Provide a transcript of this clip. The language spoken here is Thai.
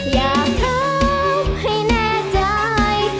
อยากท้อให้แน่ใจ